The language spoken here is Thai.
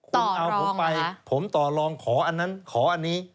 ต่อรองเหรอครับคุณเอาผมไปผมต่อรองขออันนั้นขออันนี้